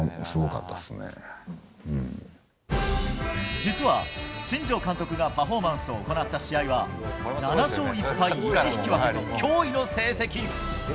実は新庄監督がパフォーマンスを行った試合は７勝１敗１引き分けと驚異の成績。